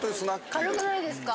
軽くないですか？